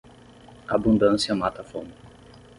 Abundância mata a fome.